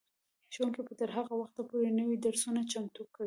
ښوونکي به تر هغه وخته پورې نوي درسونه چمتو کوي.